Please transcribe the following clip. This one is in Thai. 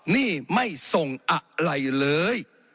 นี่ไม่ส่งอะไรเลย